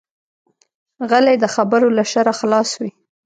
غلی، د خبرو له شره خلاص وي.